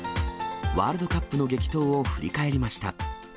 ワールドカップの激闘を振り返りました。